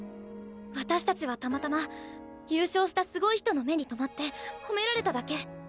私たちはたまたま優勝したすごい人の目に留まって褒められただけ。